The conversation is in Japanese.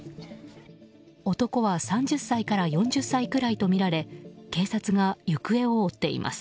男は３０歳から４０歳くらいとみられ警察が行方を追っています。